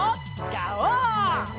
ガオー！